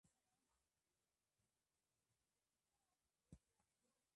Beauty No.